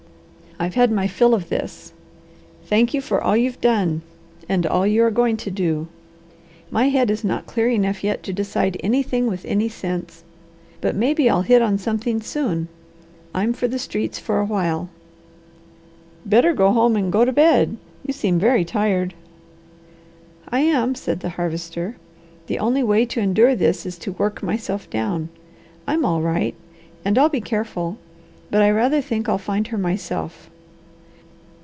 I've had my fill of this. Thank you for all you've done, and all you are going to do. My head is not clear enough yet to decide anything with any sense, but maybe I'll hit on something soon. I'm for the streets for a while." "Better go home and go to bed. You seem very tired." "I am," said the Harvester. "The only way to endure this is to work myself down. I'm all right, and I'll be careful, but I rather think I'll find her myself."